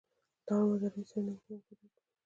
له اړونده رئیس سره نږدې همکاري وکړئ.